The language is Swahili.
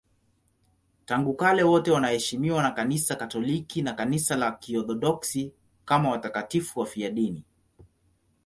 Tangu kale wote wanaheshimiwa na Kanisa Katoliki na Kanisa la Kiorthodoksi kama watakatifu wafiadini.